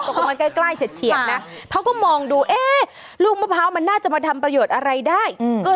ตกมันใกล้ใกล้เฉียบเฉียบนะเขาก็มองดูเอ๊ะลูกมะพร้าวมันน่าจะมาทำประโยชน์อะไรได้อืม